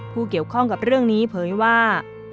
ผู้เกี่ยวข้องกับเรื่องนี้เผยว่า